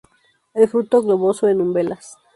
El fruto globoso en umbelas.